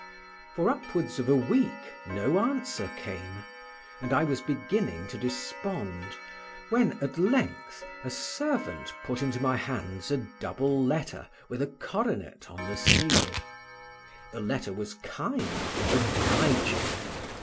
For upwards of a week no answer came, and I was beginning to despond, when at length a servant put into my hands a double letter with a coronet on the seal. The letter was kind and obliging.